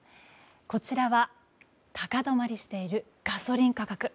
こちらは高止まりしているガソリン価格。